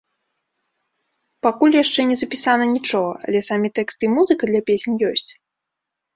Пакуль яшчэ не запісана нічога, але самі тэксты і музыка для песень ёсць.